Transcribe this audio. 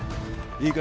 いいか？